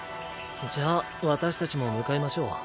じゃあ私たちも向かいましょう。